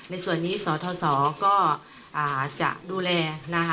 ในส่วนนี้สอทศก็จะดูแล